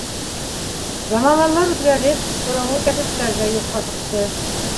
Заманалар үҙгәреп, боронғо кәсептәр ҙә юҡҡа сыҡты.